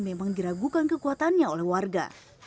memang diragukan kekuatannya oleh warga